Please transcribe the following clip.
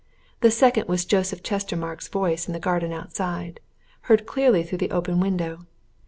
The second was Joseph Chestermarke's voice in the garden outside heard clearly through the open window.